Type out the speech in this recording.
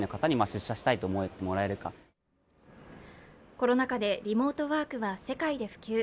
コロナ禍でリモートワークは世界で普及。